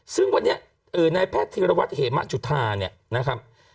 ซึ่งวันนี้ในแพทย์ธิรวรรณวัติเหมะจุธาเนี่ย